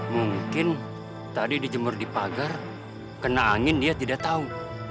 mungkin tadi dijemur di pagar kena angin dia tidak tahu